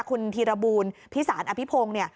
คุณธีรบูลพิสารอภิพงศ์